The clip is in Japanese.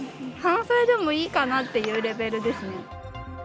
半袖でもいいかなっていうレベルですね。